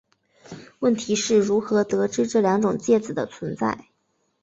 问题是如何得知这两种介子的存在。